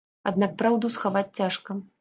Аднак праўду схаваць цяжка.